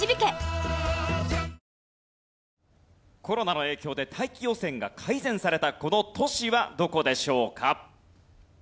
コロナの影響で大気汚染が改善されたこの都市はどこでしょうか？